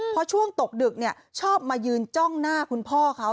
พอช่วงตกดึกชอบมายืนจ้องหน้าคุณพ่อเขา